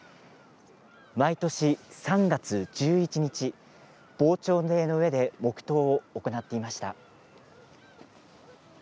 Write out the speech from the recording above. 毎年３月１１日防潮堤の上で黙とうを行っていました。